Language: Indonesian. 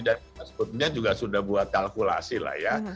dan kita sebetulnya juga sudah buat kalkulasi lah ya